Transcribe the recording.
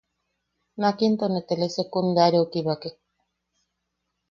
Nak into ne telesecundariau kibakek.